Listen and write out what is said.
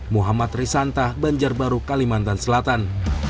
muhammad risanta banjarbaru kalimantan selatan